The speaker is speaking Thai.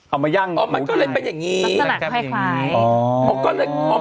เอามายั่งหมู่ไทยลักษณะคล้ายอ๋อมันก็เลยเป็นอย่างนี้